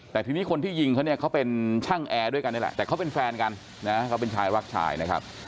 แต่ทีนี้คนที่ยิงเขาเนี่ยเขาเป็นช่างแอร์ด้วยกันนี่แหละแต่เขาเป็นแฟนกันนะเขาเป็นชายรักชายนะครับ